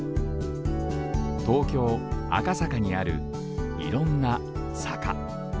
東京・赤坂にあるいろんな坂。